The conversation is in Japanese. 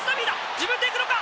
自分で行くのか！